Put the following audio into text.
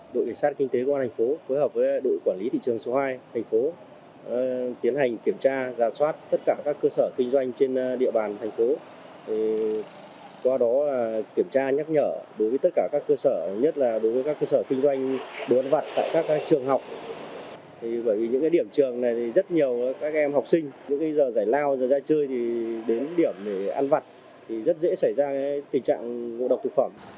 lao giờ ra chơi thì đến điểm ăn vặt thì rất dễ xảy ra tình trạng ngộ độc thực phẩm